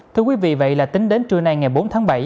thưa quý vị tính đến trưa nay ngày bốn tháng bảy